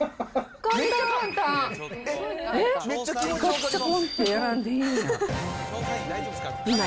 がっちゃこんってやらんでええんや。